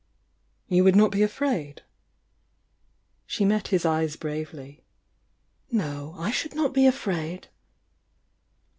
"You would not be afraid?" She met his eyes bravely. "No — I should not be afraid!"